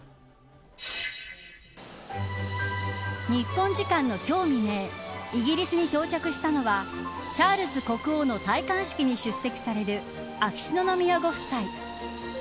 日本時間の今日未明イギリスに到着したのはチャールズ国王の戴冠式に出席される秋篠宮ご夫妻。